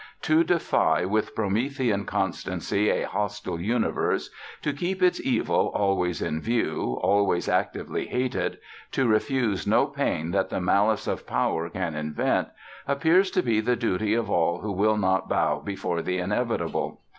To defy with Promethean constancy a hostile universe, to keep its evil always in view, always actively hated, to refuse no pain that the malice of Power can invent, appears to be the duty of all who will not bow before the inevitable.